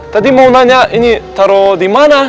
tadi mau nanya ini taruh dimana